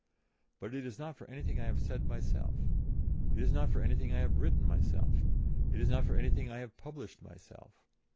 But it is not for anything I have said myself; it is not for anything I have written myself; it is not for anything I have published myself.